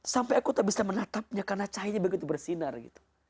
sampai aku tak bisa menatapnya karena cahayanya begitu bersinar gitu